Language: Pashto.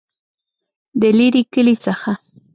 دلیري کلي څخه